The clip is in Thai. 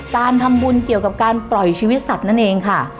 การทำบุญเกี่ยวกับการปล่อยชีวิตสัตว์นั่นเองค่ะ